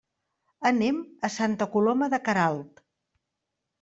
Anem a Santa Coloma de Queralt.